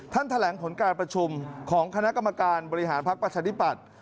แถลงผลการประชุมของคณะกรรมการบริหารภักดิ์ประชาธิปัตย์